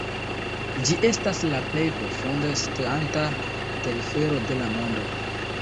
Ĝi estas la plej profunde situanta telfero de la mondo.